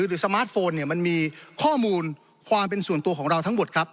สมาร์ทโฟนเนี่ยมันมีข้อมูลความเป็นส่วนตัวของเราทั้งหมดครับ